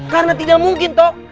karena tidak mungkin toh